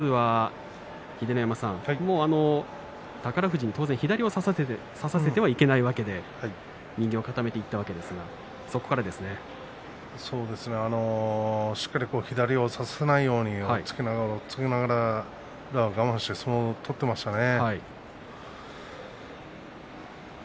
まずは秀ノ山さん宝富士に当然左を差させてはいけないわけで右を固めていったわけですがしっかり左を差させないように押っつけながら宇良は我慢して相撲を取っていましたね。